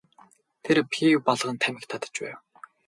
Тэр пиво балган тамхи татаж байв.